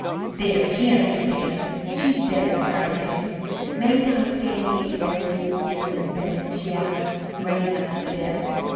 "There! she understands! she's better!" cried Hetty. "Mayn't I stay and take care of you, dear Miss Bennett?" she asked, running up to the bed.